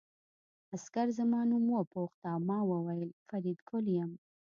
عسکر زما نوم وپوښت او ما وویل فریدګل یم